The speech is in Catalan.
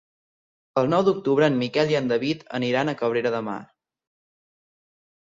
El nou d'octubre en Miquel i en David aniran a Cabrera de Mar.